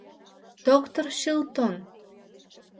Доктыр Чилтон!